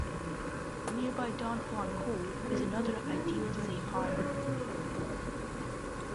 The nearby Don Juan Cove is another ideal safe harbor.